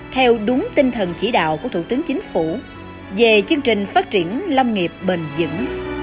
theo đúng tinh thần chỉ đạo của thủ tướng chính phủ về chương trình phát triển lâm nghiệp bền dững